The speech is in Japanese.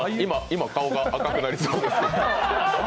今、顔が赤くなりそうです。